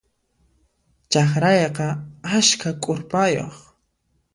Chakrayqa askha k'urpayuq.